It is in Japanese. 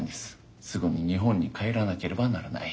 すぐに日本に帰らなければならない。